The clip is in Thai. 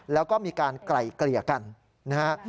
แล้วก็มีการไกล่เกลี่ยกันนะฮะ